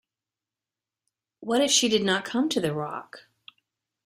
What if she did not come to the rock.